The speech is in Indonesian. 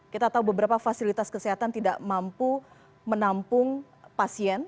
kita tahu beberapa fasilitas kesehatan tidak mampu menampung pasien